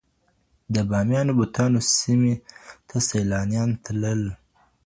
د بامیانو بتانو سیمي ته سیلانیان تلل.